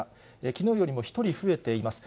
きのうよりも１人増えています。